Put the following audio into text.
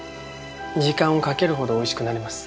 時間をかけるほどおいしくなります。